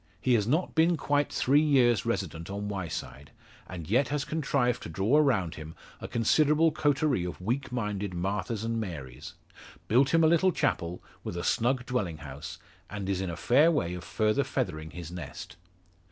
He has not been quite three years resident on Wyeside, and yet has contrived to draw around him a considerable coterie of weak minded Marthas and Marys, built him a little chapel, with a snug dwelling house, and is in a fair way of further feathering his nest.